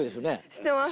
知ってます。